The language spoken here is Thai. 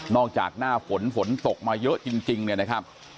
จากหน้าฝนฝนตกมาเยอะจริงเนี่ยนะครับ